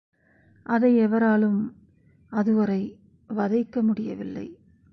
அதை எவராலும் அதுவரை வதைக்க முடியவில்லை.